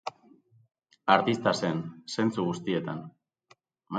Artista zen, zentzu guztietan.